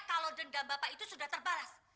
kalau dendam bapak itu sudah terbalas